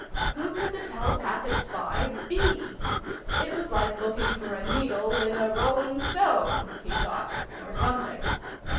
Who could the telepathic spy be? It was like looking for a needle in a rolling stone, he thought. Or something.